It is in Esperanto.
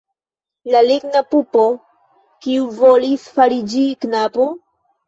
La ligna pupo, kiu volis fariĝi knabo?